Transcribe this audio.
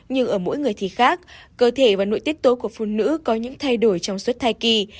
nhưng ở mỗi người thì khác cơ thể và nội tiết tố của phụ nữ có những thay đổi trong suốt thai kỳ